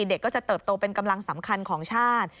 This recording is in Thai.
เด็กก็จะเติบโตเป็นกำลังสำคัญของชาติ